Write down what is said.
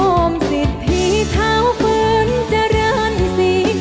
โอ้มสิทธิเท้าพื้นจรรย์นิสัย